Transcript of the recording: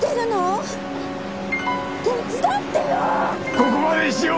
ここまでにしよう！